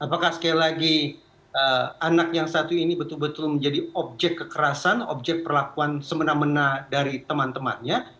apakah sekali lagi anak yang satu ini betul betul menjadi objek kekerasan objek perlakuan semena mena dari teman temannya